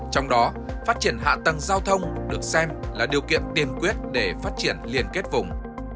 trong đó phát triển hạ tầng giao thông được xem là điều kiện tiên quyết để phát triển liên kết vùng